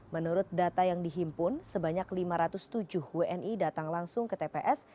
menurut data yang dihimpun sebanyak lima ratus tujuh wni datang langsung ke tps